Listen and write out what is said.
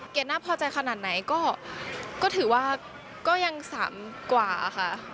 น่าพอใจขนาดไหนก็ถือว่าก็ยัง๓กว่าค่ะ